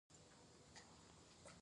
د اسلام پور څادرې به چا سره وي؟